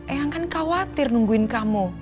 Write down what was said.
eyang kan khawatir nungguin kamu